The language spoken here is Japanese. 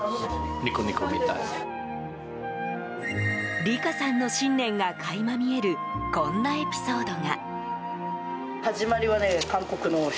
理佳さんの信念が垣間見えるこんなエピソードが。